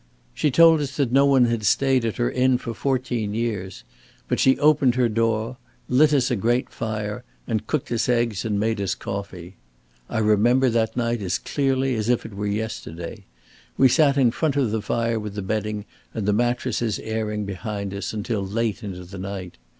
She told us that no one had stayed at her inn for fourteen years. But she opened her door, lit us a great fire, and cooked us eggs and made us coffee. I remember that night as clearly as if it were yesterday. We sat in front of the fire with the bedding and the mattresses airing behind us until late into the night.